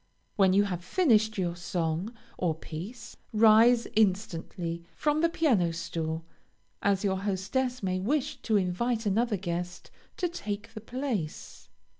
When you have finished your song or piece, rise instantly from the piano stool, as your hostess may wish to invite another guest to take the place.